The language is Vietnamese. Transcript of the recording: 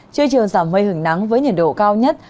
trưa chiều giảm mây hứng nắng với nhiệt độ cao nhất